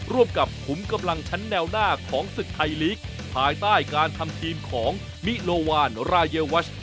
ร่วมกับขุมกำลังชั้นแนวหน้าของศึกไทยลีกภายใต้การทำทีมของมิโลวานรายวัช